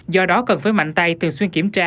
do đó cần phải mạnh tay thường xuyên kiểm tra